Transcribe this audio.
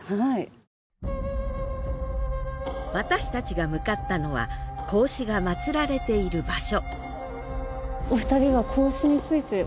私たちが向かったのは孔子が祀られている場所